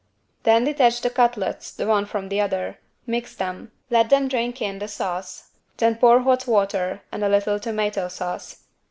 Then detach the cutlets the one from the other, mix them, let them drink in the sauce, then pour hot water and a little tomato sauce.